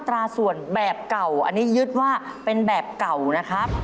ตราส่วนแบบเก่าอันนี้ยึดว่าเป็นแบบเก่านะครับ